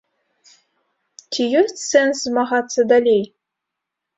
Ці ёсць сэнс змагацца далей?